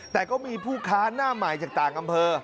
แต่ก็มีผู้ค้าหน้าใหม่จากต่างอำเภอ